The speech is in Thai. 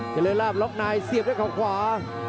จริงลาภลอฟนายเสียบด้วยข่าวขวา